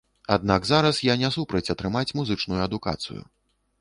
Аднак зараз я не супраць атрымаць музычную адукацыю.